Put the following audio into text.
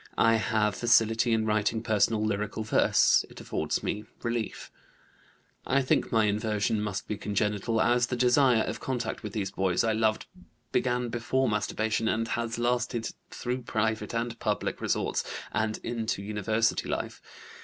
I have facility in writing personal lyrical verse; it affords me relief. "I think my inversion must be congenital, as the desire of contact with those boys I loved began before masturbation and has lasted through private and public resorts and into university life.